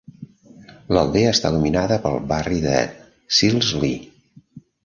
L'aldea està dominada pel barri de Selsley.